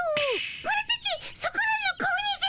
オラたちそこらの子鬼じゃな